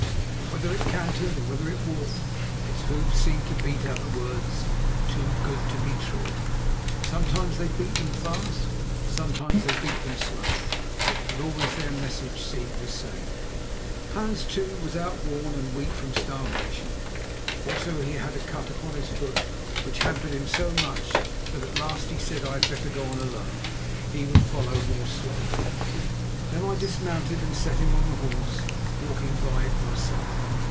But whether it cantered or whether it walked, its hoofs seemed to beat out the words—"Too good to be true!" Sometimes they beat them fast, and sometimes they beat them slow, but always their message seemed the same. Hans, too, was outworn and weak from starvation. Also he had a cut upon his foot which hampered him so much that at last he said I had better go on alone; he would follow more slowly. Then I dismounted and set him on the horse, walking by it myself.